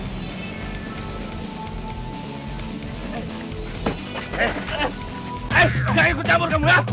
jangan ikut campur kamu ya